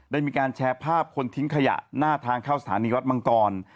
ได้มีการแชร์ภาพคนทิ้งขยะหน้าทางเข้าสถานีวัดมังกร